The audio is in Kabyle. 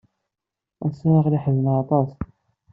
Ass-a aql-iyi ḥezneɣ aṭas.